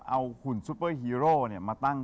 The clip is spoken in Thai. เอาหุ่นซุปเปอร์ฮีโร่มาตั้ง